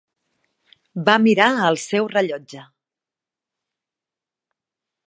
Va mirar el seu rellotge.